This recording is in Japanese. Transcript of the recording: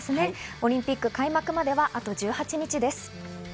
オリンピック開幕まではあと１８日です。